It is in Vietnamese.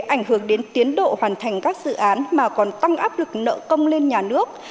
ảnh hưởng đến tiến độ hoàn thành các dự án mà còn tăng áp lực nợ công lên nhà nước